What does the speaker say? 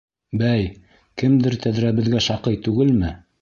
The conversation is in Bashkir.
Бәй, кемдер тәҙрәбеҙгә шаҡый түгелме?